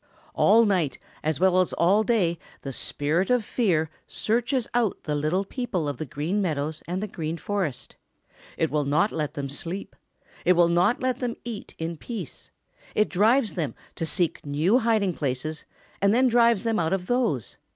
All night as well as all day the Spirit of Fear searches out the little people of the Green Meadows and the Green Forest. It will not let them sleep. It will not let them eat in peace. It drives them to seek new hiding places and then drives them out of those.